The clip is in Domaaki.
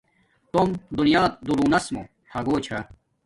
توم دنیا دولونس موں ھاگو چھا